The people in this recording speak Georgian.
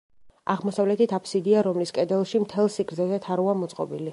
აღმოსავლეთით აფსიდია, რომლის კედელში, მთელ სიგრძეზე, თაროა მოწყობილი.